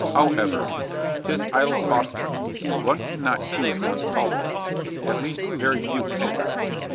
"However, 'tis idle talking; one cannot choose one's calling at least, very few can.